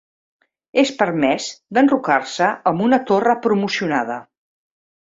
És permès d'enrocar-se amb una torre promocionada.